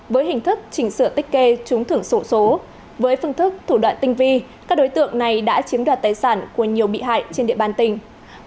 với hình thức chỉnh sửa tích kê trúng thưởng sổ số với phương thức thủ đoạn tinh vi các đối tượng này đã chiếm đoạt tài sản của nhiều bị hại trên địa bàn tỉnh